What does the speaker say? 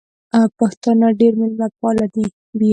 پښتانه ډېر مېلمه پال دي.